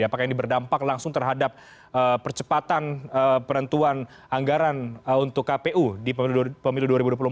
apakah ini berdampak langsung terhadap percepatan penentuan anggaran untuk kpu di pemilu dua ribu dua puluh empat